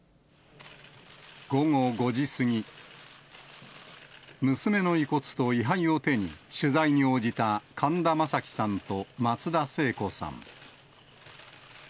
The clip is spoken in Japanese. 午後５時過ぎ、娘の遺骨と位はいを手に取材に応じた神田正輝さんと松田聖子さん。